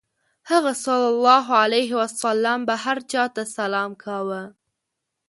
هغه ﷺ به هر چا ته سلام کاوه.